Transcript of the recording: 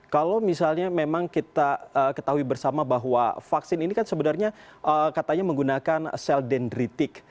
kalau misalnya memang kita ketahui bersama bahwa vaksin ini kan sebenarnya katanya menggunakan sel dendritik